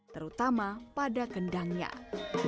terutama pada kandungan